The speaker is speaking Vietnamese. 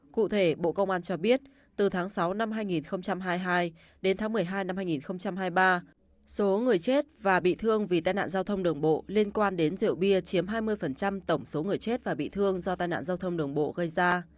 cụ thể bộ công an cho biết từ tháng sáu năm hai nghìn hai mươi hai đến tháng một mươi hai năm hai nghìn hai mươi ba số người chết và bị thương vì tai nạn giao thông đường bộ liên quan đến rượu bia chiếm hai mươi tổng số người chết và bị thương do tai nạn giao thông đường bộ gây ra